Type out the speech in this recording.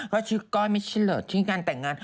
เขาชื่อก้อยไม่ใช่เหรอชื่องานแต่งงาน